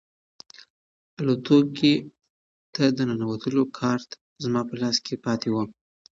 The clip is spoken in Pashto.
الوتکې ته د ننوتلو کارت زما په لاس کې پاتې و.